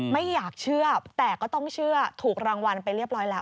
ไม่อยากเชื่อแต่ก็ต้องเชื่อถูกรางวัลไปเรียบร้อยแล้ว